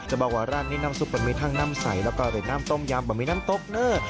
จะบอกว่าร้านนี้น้ำซุปมันมีทั้งน้ำใสแล้วก็เป็นน้ำต้มยำบะหมี่น้ำตกเนอร์